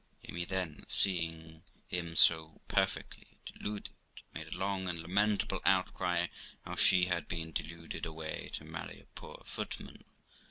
Amy then, seeing him so perfectly deluded, made a long and lamentable outcry how she had been deluded away to marry a poor footman.